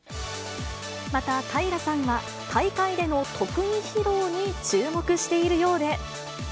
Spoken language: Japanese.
また、平さんは、大会での特技披露に注目しているようで。